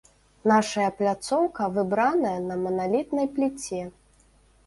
Нашая пляцоўка выбраная на маналітнай пліце.